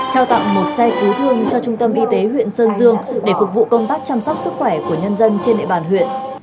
trao tặng một xe cứu thương cho trung tâm y tế huyện sơn dương để phục vụ công tác chăm sóc sức khỏe của nhân dân trên địa bàn huyện